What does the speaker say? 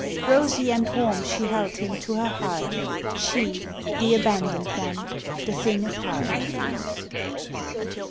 Rosy and warm she held Him to her heart, She the abandoned one the thing apart.